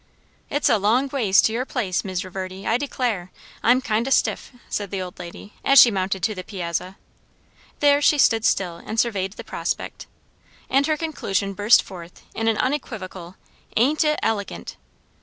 "It's a long ways to your place, Mis' Reverdy; I declare, I'm kind o' stiff," said the old lady as she mounted to the piazza. There she stood still and surveyed the prospect. And her conclusion burst forth in an unequivocal, "Ain't it elegant!"